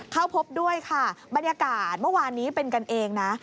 เข้าพบด้วยค่ะบรรยากาศเมื่อวานนี้เป็นกันเองนะ